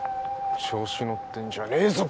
調子乗ってんじゃねえぞ